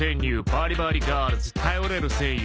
「バリバリガールズ頼れる戦友」